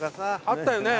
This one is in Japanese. あったよね。